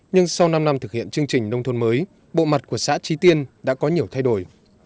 nhưng sau năm năm thực hiện chương trình nông thôn mới bộ mặt của xã trí tiên đã có nhiều thay đổi